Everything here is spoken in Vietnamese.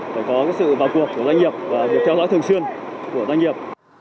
phải có sự vào cuộc của doanh nghiệp và việc theo dõi thường xuyên của doanh nghiệp